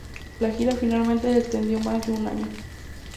La gira finalmente se extendió más de un año.